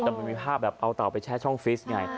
แต่มันมีภาพแบบเอาเต่าไปแช่ช่องฟิสไง